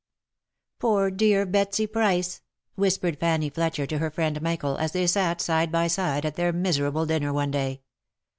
" Poor dear Betsy Price !*' whispered Fanny Fletcher to her friend Michael, as they sat side by side at their miserable dinner one day.